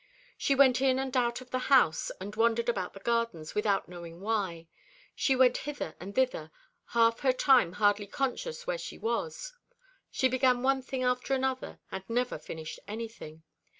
She went in and out of the house, and wandered about the gardens without knowing why; she went hither and thither, half her time hardly conscious where she was. She began one thing after another, and never finished anything.